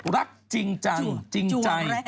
รักจริงจังจริงใจ